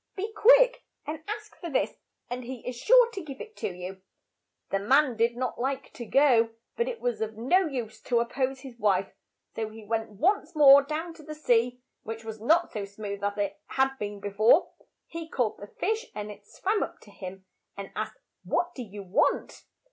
Be quick, and ask for this, and he is sure to give it to you." *"H "WHAT DO YOU WANT?" 78 THE FISHERMAN AND HIS WIFE The man did not like to go, but it was of no use to op pose his wife. So he went once more down to the sea, which was not so smooth as it had been be fore. He called the fish, and it swam up to him and asked, "What do you want?'